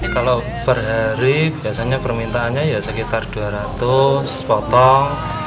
kalau per hari biasanya permintaannya ya sekitar dua ratus potong